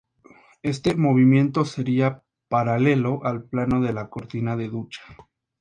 Este movimiento sería paralelo al plano de la cortina de ducha.